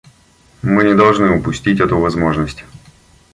Мы не должны упустить эту возможность.